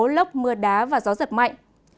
lốc mưa đá và gió giật mạnh